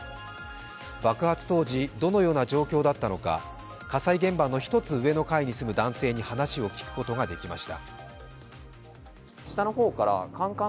爆発当時、どのような状況だったのか火災現場の１つ上の階に住む男性に話を聞くことができました。